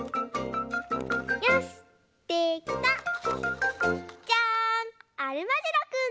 よしできた！じゃん！